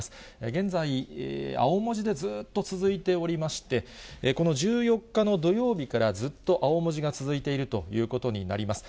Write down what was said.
現在、青文字でずっと続いておりまして、この１４日の土曜日からずっと青文字が続いているということになります。